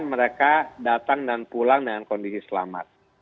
dan mereka datang dan pulang dengan kondisi selamat